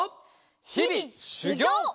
ひびしゅぎょう！